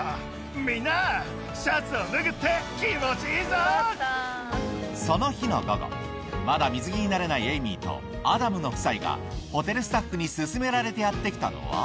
みんな、シャツを脱ぐって気持ちその日の午後、まだ水着になれないエイミーと、アダムの夫妻がホテルスタッフに勧められてやって来たのは。